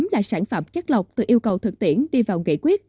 chín mươi tám là sản phẩm chắc lọc từ yêu cầu thực tiễn đi vào nghị quyết